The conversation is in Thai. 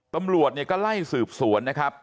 ตำรวจเนี่ยก็ไล่สืบสวนนะครับ